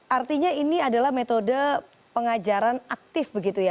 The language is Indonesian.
artinya ini adalah metode pengajaran aktif begitu ya